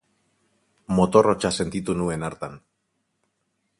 Motor hotsa sentitu nuen hartan.